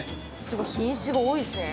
すごい品種が多いですね。